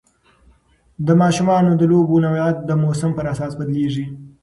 د ماشومانو د لوبو نوعیت د موسم پر اساس بدلېږي.